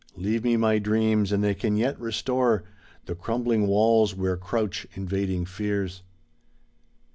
Leave me my dreams, and they can yet restore The crumbling walls, where crouch invading fears.